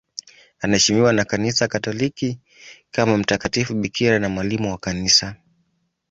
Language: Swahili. Anaheshimiwa na Kanisa Katoliki kama mtakatifu bikira na mwalimu wa Kanisa.